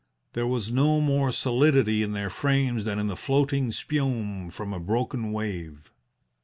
There was no more solidity in their frames than in the floating spume from a broken wave.